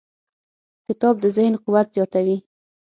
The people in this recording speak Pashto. کتاب د ذهن قوت زیاتوي.